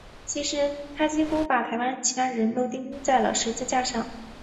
其实他几乎把台湾其他的人都钉上了十字架。